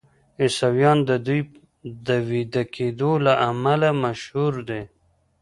عیسویان د دوی د ویده کیدو له امله مشهور دي.